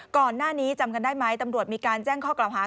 ก่อนหน้านี้จำกันได้ไหมตำรวจมีการแจ้งข้อกล่าวหา